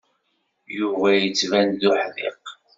Yuba yettban d uḥdiq.